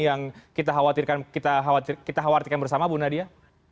yang kita khawatirkan bersama bu nadia